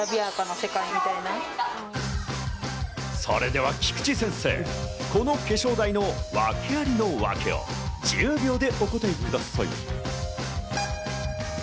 それでは菊地先生、この化粧台の訳ありのワケ、１０秒でお答えください。